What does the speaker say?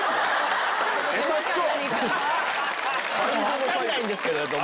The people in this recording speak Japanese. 分かんないんですけども。